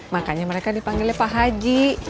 makanya mereka dipanggilnya pak haji